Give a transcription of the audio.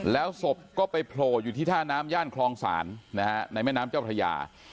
แล้วศพก็ไปโผล่อยู่ที่ท่าน้ำย่านคลองศาลนะฮะในแม่น้ำเจ้าพระยา